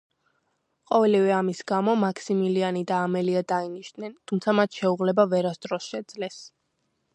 ყოველივე ამის გამო, მაქსიმილიანი და ამელია დაინიშნენ, თუმცა მათ შეუღლება ვერასდროს შეძლეს.